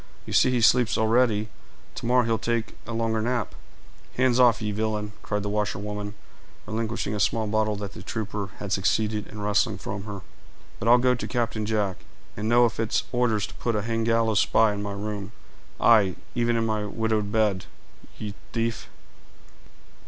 You see he sleeps already; to morrow he'll take a longer nap." "Hands off, ye villain," cried the washerwoman, relinquishing a small bottle that the trooper had succeeded in wresting from her. "But I'll go to Captain Jack, and know if it's orders to put a hang gallows spy in my room; aye, even in my widowed bed, you tief!"